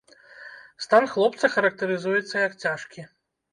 Стан хлопца характарызуецца як цяжкі.